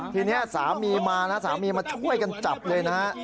ทีนี้สามีมานะสามีมาช่วยกันจับเลยนะฮะ